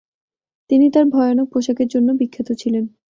তিনি তার ভয়ানক পোশাকের জন্য বিখ্যাত ছিলেন।